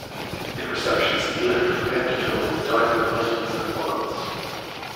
In receptions he glittered from head to toe with diamond buttons and buckles.